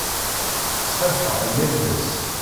Tesɛa lḥeq yal ass.